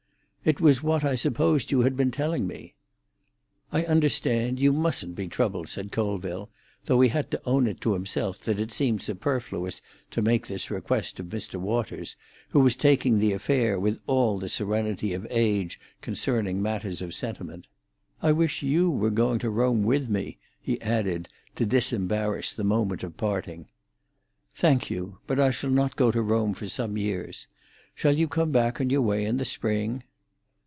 "It was what I supposed you had been telling me——" "I understand. You mustn't be troubled," said Colville, though he had to own to himself that it seemed superfluous to make this request of Mr. Waters, who was taking the affair with all the serenity of age concerning matters of sentiment. "I wish you were going to Rome with me," he added, to disembarrass the moment of parting. "Thank you. But I shall not go to Rome for some years. Shall you come back on your way in the spring?"